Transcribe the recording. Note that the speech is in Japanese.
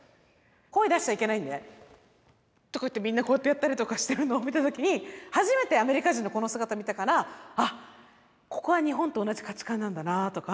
声出しちゃいけないんでみんなこうやってやったりとかしてるのを見た時に初めてアメリカ人のこの姿見たからあっここは日本と同じ価値観なんだなとか。